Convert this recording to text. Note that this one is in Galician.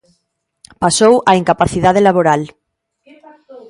Pasou á incapacidade laboral.